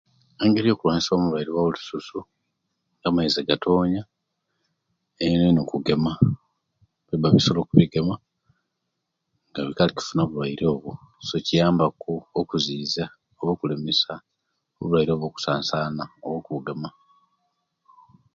Engeri eyokulwanisyamu Obulwaire obwo lususu, nga amaizi gatoonya, ein'einu kugema; kuba bisolo kubigema, nga bikaali okufuna obulwaire obwo; so, kiyambaku okuziizya oba, okulemesya obulwaire obwo okusansana oba okubugema.